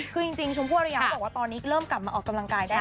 คือจริงชมพู่อรยาเขาบอกว่าตอนนี้เริ่มกลับมาออกกำลังกายแล้ว